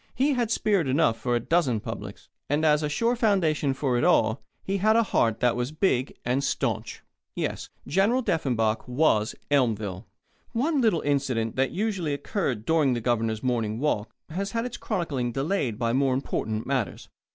He had spirit enough for a dozen publics. And as a sure foundation for it all, he had a heart that was big and stanch. Yes; General Deffenbaugh was Elmville. One little incident that usually occurred during the Governor's morning walk has had its chronicling delayed by more important matters.